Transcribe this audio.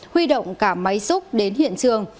huy động cả máy xúc đến hiện trường